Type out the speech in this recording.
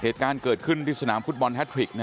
เหตุการณ์เกิดขึ้นที่สนามฟุตบอลแฮทริก